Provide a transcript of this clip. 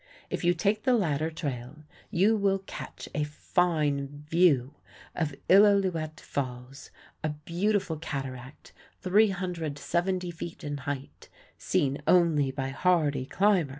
If you take the latter trail you will catch a fine view of Illilouette Falls, a beautiful cataract 370 feet in height, seen only by hardy climbers.